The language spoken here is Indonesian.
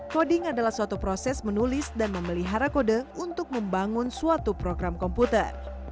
coding adalah suatu proses menulis dan memelihara kode untuk membangun suatu program komputer